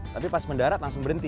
tapi pas mendarat langsung berhenti